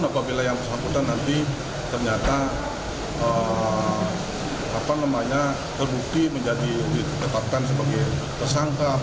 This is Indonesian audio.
apabila yang bersangkutan nanti ternyata terbukti menjadi ditetapkan sebagai tersangka